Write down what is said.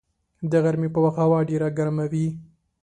د غرمې په وخت هوا ډېره ګرمه وي